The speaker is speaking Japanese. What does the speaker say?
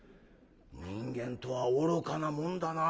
人間とは愚かなもんだな。